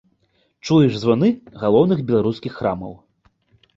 Чуеш званы галоўных беларускіх храмаў.